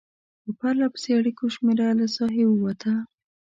په پرلپسې اړیکو شمېره له ساحې ووته.